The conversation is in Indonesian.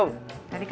gue jadi lupa